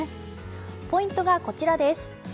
ポイントがこちらです。